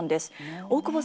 大久保さん